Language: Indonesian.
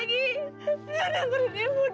dia dengerin ibu dulu nak